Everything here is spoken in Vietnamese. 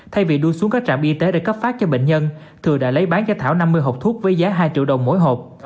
thay vì đưa xuống các trạm y tế để cấp phát cho bệnh nhân thừa đã lấy bán cho thảo năm mươi hộp thuốc với giá hai triệu đồng mỗi hộp